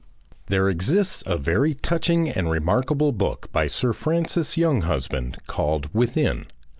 There exists a very touching and remarkable book by Sir Francis Younghusband called "Within."